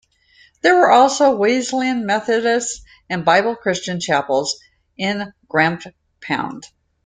There were also Wesleyan Methodist and Bible Christian chapels in Grampound.